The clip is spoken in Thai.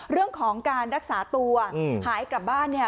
เรื่องของการรักษาตัวหายกลับบ้านเนี่ย